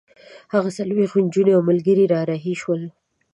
هغه څلوېښت نجونې او ملګري را رهي شول.